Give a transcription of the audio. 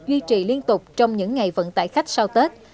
duy trì liên tục trong những ngày vận tải khách sau tết